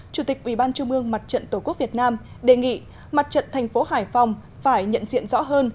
chủ tịch ubnd mặt trận tổ quốc việt nam đề nghị mặt trận thành phố hải phòng phải nhận diện rõ hơn